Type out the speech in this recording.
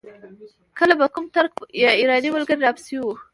کله به کوم ترک یا ایراني ملګری را پسې و.